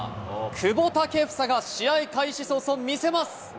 久保建英が試合開始早々見せます。